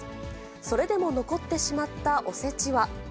それでも残ってしまったおせちは。